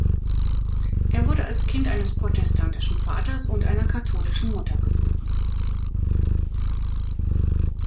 Er wurde als Kind eines protestantischen Vaters und einer katholischen Mutter geboren.